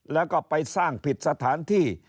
แล้วก็ไปสร้างผิดสถานที่